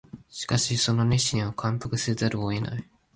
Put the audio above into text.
しかしその熱心には感服せざるを得ない